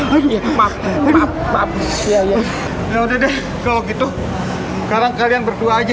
lebih mamuf lamfued kalau gitu kalian bertuah g empat puluh delapan